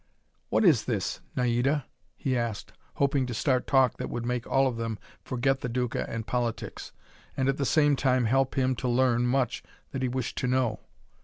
"What is this, Naida?" he asked, hoping to start talk that would make all of them forget the Duca and politics, and at the same time help him to learn much that he wished to know.